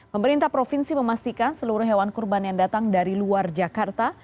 pemerintah provinsi memastikan seluruh hewan kurban yang datang dari luar jakarta